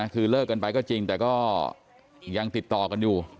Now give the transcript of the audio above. คือเลิกกันไปก็จริงแต่ก็ยังติดต่อกันอยู่